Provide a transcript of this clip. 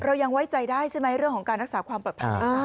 เรายังไว้ใจได้ใช่ไหมเรื่องของการรักษาความปลอดภัย